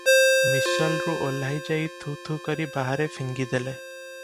ମିସଲରୁ ଓହ୍ଲାଇ ଯାଇ ଥୁ ଥୁ କରି ବାହାରେ ଫିଙ୍ଗି ଦେଲେ ।